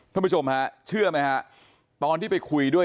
ท่านผู้ชมฮะเชื่อไหมฮะตอนที่ไปคุยด้วย